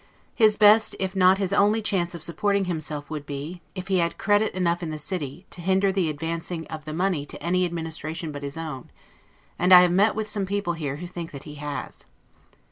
His best, if not his only chance of supporting himself would be, if he had credit enough in the city, to hinder the advancing of the money to any administration but his own; and I have met with some people here who think that he has.